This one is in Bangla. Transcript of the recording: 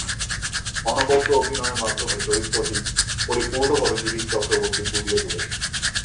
অনবদ্য অভিনয়ের মাধ্যমে চরিত্রটি পরিপূর্ণভাবে দিলীপ চক্রবর্তী ফুটিয়ে তুলেছিলেন।